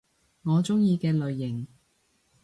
我鍾意嘅類型